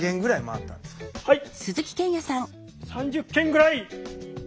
はい！